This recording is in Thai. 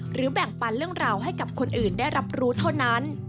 แบ่งปันเรื่องราวให้กับคนอื่นได้รับรู้เท่านั้น